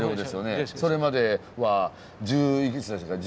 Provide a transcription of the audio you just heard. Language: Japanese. それまでは１０いくつでしたっけ